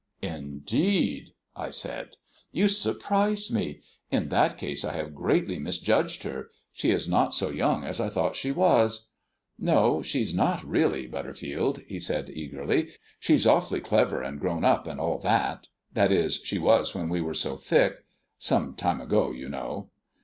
"Indeed!" I said. "You surprise me. In that case I have greatly misjudged her. She is not so young as I thought she was." "No, she's not really, Butterfield," he said eagerly. "She's awfully clever and grown up, and all that that is, she was when we were so thick. Some time ago, you know."